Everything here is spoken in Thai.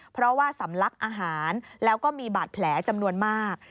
เพราะว่าสำลักอาหารแล้วก็มีบาดแผลจำนวนมาก